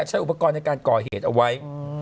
ใช้อุปกรณ์ในการก่อเหตุเอาไว้